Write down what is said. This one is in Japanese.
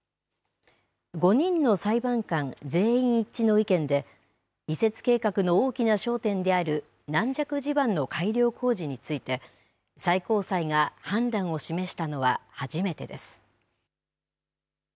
５人の裁判官全員一致の意見で、移設計画の大きな焦点である軟弱地盤の改良工事について、最高裁が判断を示したのは初めてです。